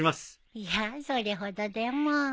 いやそれほどでも。